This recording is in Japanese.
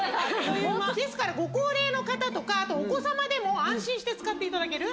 ですからご高齢の方とかあとお子さまでも安心して使っていただける。